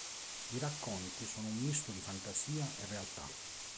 I racconti sono un misto di fantasia e realtà.